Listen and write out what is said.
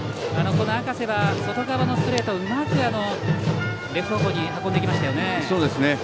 この赤瀬は外側のストレートをうまくレフト方向に運んでいきましたよね。